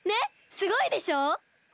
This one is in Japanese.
すごいでしょ？